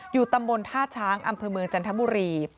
ตำบลท่าช้างอำเภอเมืองจันทบุรี